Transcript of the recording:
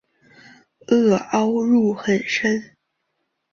萼凹入很深。